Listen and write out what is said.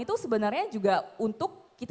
itu sebenarnya juga untuk